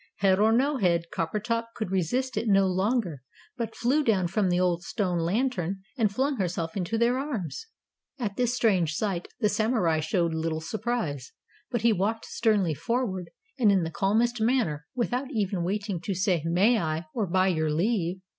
Head or no head, Coppertop could resist it no longer, but flew down from the old stone Lantern, and flung herself into their arms. At this strange sight the Samurai showed little surprise, but he walked sternly forward, and in the calmest manner, without even waiting to say "May I?" or "By your leave!"